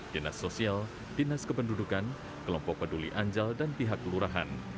dinas sosial dinas kependudukan kelompok peduli anjal dan pihak lurahan